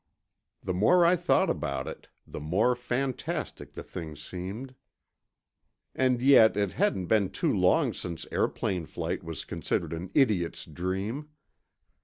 The more I thought about it, the more fantastic thc thing seemed. And yet it hadn't been too long since airplane flight was considered an idiot's dream.